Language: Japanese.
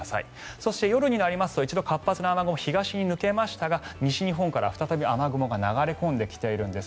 そして夜になると一度活発な雨雲は東に抜けましたが西日本から再び雨雲が流れ込んできているんです。